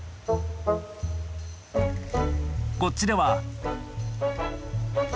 こっちでは。